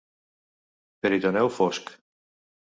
Peritoneu fosc.